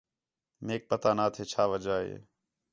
میک پتہ نا تھے چھا وجہ ہِے